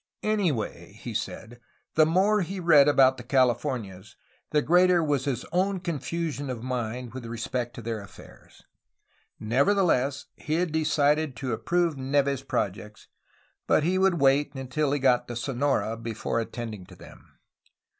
Anyway, he said, the more he read about thr Californias, the greater was his own confusion of mind with respect to their affairs. Nevertheless, he had decided to approve Neve's projects, but would wait until he got to Sonora before attending to them.